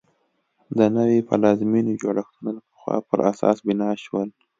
د نوې پلازمېنې جوړښتونه د پخوا پر اساس بنا شول.